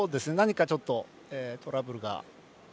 何か、ちょっとトラブルが。